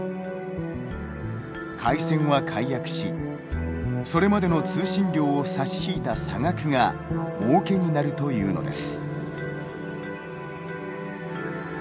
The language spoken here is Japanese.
回線は解約しそれまでの通信料を差し引いた差額がもうけになるというのです。